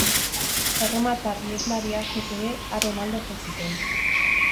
Erromatar iheslari askok ere haren alde jo zuten.